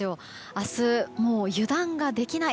明日、もう油断ができない